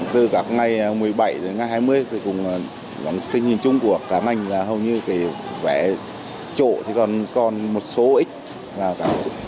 từ ngày một mươi bảy đến ngày hai mươi thì cũng tình hình chung của cả ngành là hầu như vẻ trộn thì còn một số ít